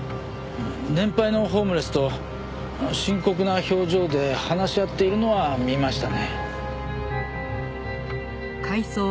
年配のホームレスと深刻な表情で話し合っているのは見ましたね。